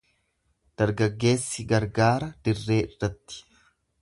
Dargaggeessi gargaara dirree irratti.